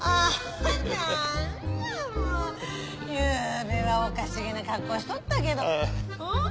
ゆうべはおかしげな格好しとったけどん？